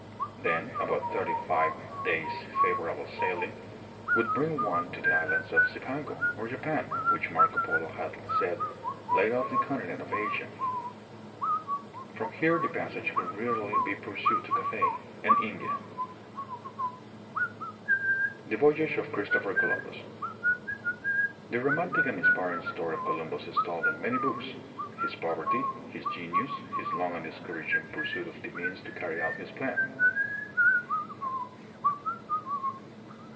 Then about thirty five days' favorable sail ing would bring one to the islands of "Cipango," or Japan, which Marco Polo had said lay off the continent of Asia. From here the passage could readily be pur sued to Cathay and India. 68 THE PHILIPPINES, The Voyage of Christopher Columbus . The roman tic and inspiring story of Columbus is told in many books, his poverty) his genius, his long and discouraging pur suit of the means to carry out his plan.